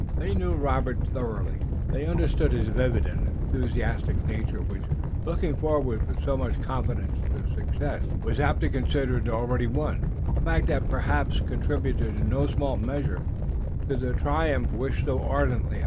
They knew Robert thoroughly, they understood his vivid and enthusiastic nature which, looking forward with so much confidence to success, was apt to consider it already won, a fact that perhaps contributed in no small measure to the triumph wished so ardently.